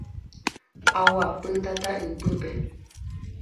Aguapy tata ypýpe